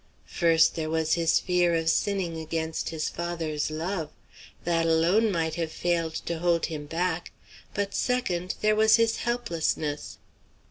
First, there was his fear of sinning against his father's love. That alone might have failed to hold him back; but, second, there was his helplessness.